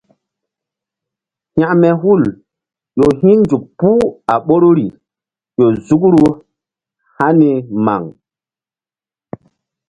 Hȩkme hul ƴo hi̧nzuk puh a ɓoruri ƴo nzukru hani maŋ.